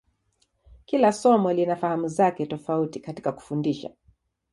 Kila somo lina fahamu zake tofauti katika kufundisha.